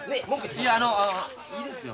いやあのいいですよ。